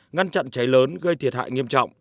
ngăn chặn cháy lớn gây thiệt hại nghiêm trọng